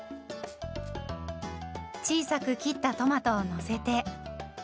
小さく切ったトマトをのせて。